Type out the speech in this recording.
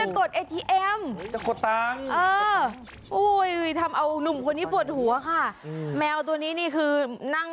นอนอยู่ตรงนี้ปลุกยังไงก็ไม่ตื่น